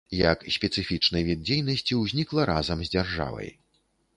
Як спецыфічны від дзейнасці ўзнікла разам з дзяржавай.